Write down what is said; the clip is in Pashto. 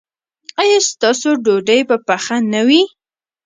ایا ستاسو ډوډۍ به پخه نه وي؟